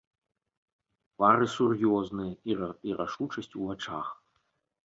Твары сур'ёзныя, і рашучасць у вачах.